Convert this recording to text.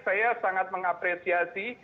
saya sangat mengapresiasi